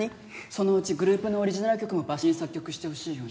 そのうちグループのオリジナル曲もバシに作曲してほしいよね。